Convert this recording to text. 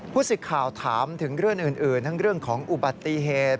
สิทธิ์ข่าวถามถึงเรื่องอื่นทั้งเรื่องของอุบัติเหตุ